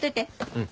うん。